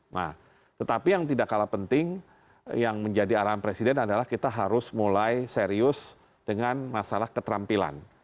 nah tetapi yang tidak kalah penting yang menjadi arahan presiden adalah kita harus mulai serius dengan masalah keterampilan